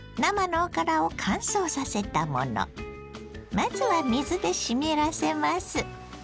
まずは水で湿らせます。